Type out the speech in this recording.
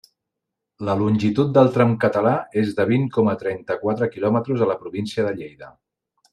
La longitud del tram català és de vint coma trenta-quatre quilòmetres a la província de Lleida.